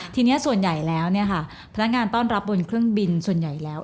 ทีนี้ส่วนใหญ่แล้วพนักงานต้อนรับบนเครื่องบินส่วนใหญ่แล้ว